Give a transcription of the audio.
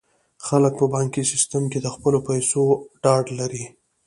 خلک په بانکي سیستم کې د خپلو پیسو ډاډ لري.